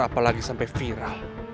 apalagi sampai viral